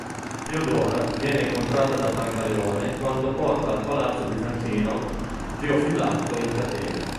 Teodora viene incontrata da Brancaleone quando porta al palazzo bizantino Teofilatto in catene.